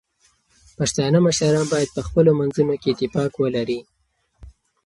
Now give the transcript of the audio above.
پښتانه مشران باید په خپلو منځونو کې اتفاق ولري.